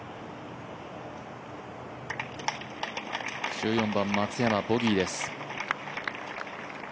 １４番、松山ボギーです。